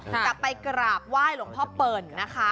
จะไปกราบไหว้หลวงพ่อเปิ่นนะคะ